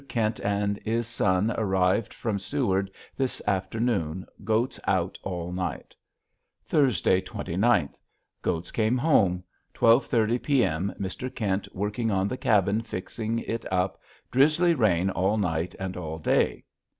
Kint and is son arivd from seward this afternoon. goats out all night. Thurs. 29th. goats cam ome 12.30 p. m. Mr. Kint Working on the Cabbin fixing at up. Drisly rain all night and all day.